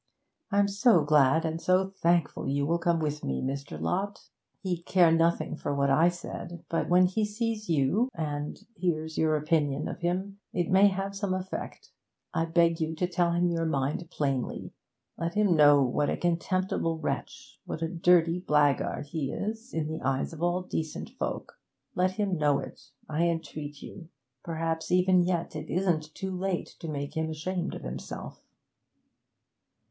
'I'm so glad and so thankful you will come with me Mr. Lott. He'd care nothing for what I said; but when he sees you, and hears your opinion of him, it may have some effect. I beg you to tell him your mind plainly! Let him know what a contemptible wretch, what a dirty blackguard, he is in the eyes of all decent folk let him know it, I entreat you! Perhaps even yet it isn't too late to make him ashamed of himself.'